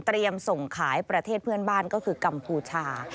ส่งขายประเทศเพื่อนบ้านก็คือกัมพูชา